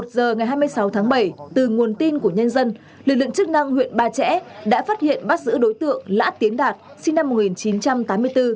một giờ ngày hai mươi sáu tháng bảy từ nguồn tin của nhân dân lực lượng chức năng huyện ba trẻ đã phát hiện bắt giữ đối tượng lã tiến đạt sinh năm một nghìn chín trăm tám mươi bốn